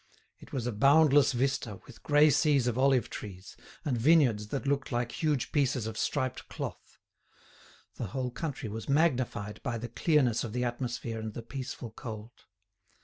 It was a boundless vista, with grey seas of olive trees, and vineyards that looked like huge pieces of striped cloth. The whole country was magnified by the clearness of the atmosphere and the peaceful cold.